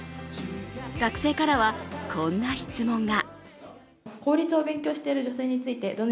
学生からはこんな質問が。